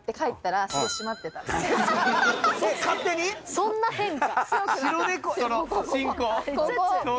そんな変化？